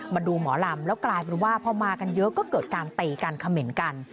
มาดูหมอลำแล้วกลายเป็นว่าพอมากันเยอะก็เกิดการตีกันเขม่นกัน